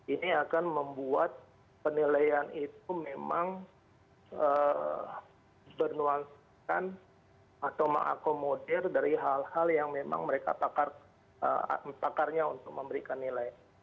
ini akan membuat penilaian itu memang bernuansa atau mengakomodir dari hal hal yang memang mereka pakarnya untuk memberikan nilai